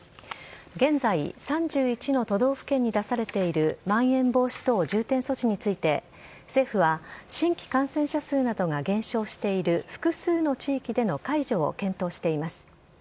３１の都道府県に出されているまん延防止等重点措置について、政府は新規感染者数などが減少している複数の地域での解除を検討しています。